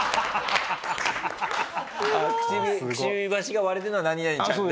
くちばしが割れてるのは何々ちゃんで。